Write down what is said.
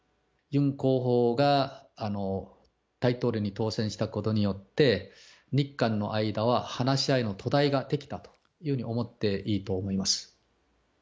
ユン候補が大統領に当選したことによって、日韓の間は、話し合いの土台ができたというふうに思っていいと思います。